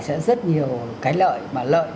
sẽ rất nhiều cái lợi mà lợi